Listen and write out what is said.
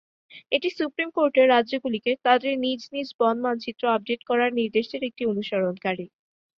এটি সুপ্রীম কোর্টের রাজ্যগুলিকে তাদের নিজ নিজ বন মানচিত্র আপডেট করার নির্দেশের একটি অনুসরণকারী।